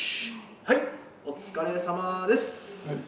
はいお疲れさまです！